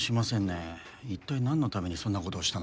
一体なんのためにそんな事をしたのか。